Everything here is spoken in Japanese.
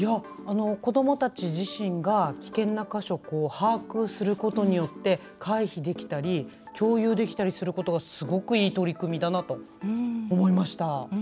子どもたち自身が危険な箇所把握することによって回避できたり共有できたりすることがすごくいい取り組みだなと思いました。